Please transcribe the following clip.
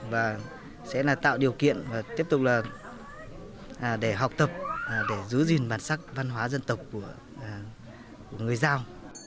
và sẽ là tạo điều kiện và tiếp tục là để học tập để giữ gìn bản sắc văn hóa dân tộc của người giao